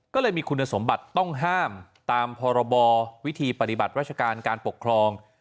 ก็เลยมีคุณสมบัติต้องห้ามตามพรบวิธีปฏิบัติราชการการปกครอง